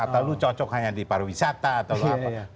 atau lu cocok hanya di pariwisata atau apa